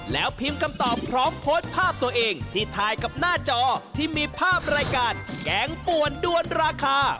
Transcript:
แล้วพิมพ์คำตอบพร้อมโพสต์ภาพตัวเองที่ถ่ายกับหน้าจอที่มีภาพรายการแกงป่วนด้วนราคา